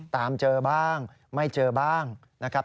ตามเจอบ้างไม่เจอบ้างนะครับ